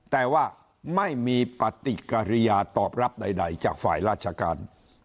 แต่ว่าไม่มีปฏิกิริยาตอบรับใดจากฝ่ายราชการ